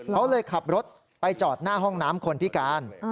เขาเลยขับรถไปจอดหน้าห้องน้ำคนพิการ